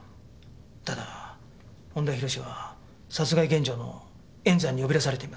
ただ恩田浩は殺害現場の塩山に呼び出されています。